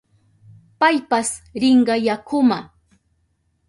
Paypas rinka yakuma.